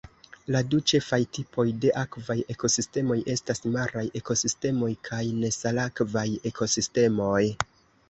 La du ĉefaj tipoj de akvaj ekosistemoj estas maraj ekosistemoj kaj nesalakvaj ekosistemoj.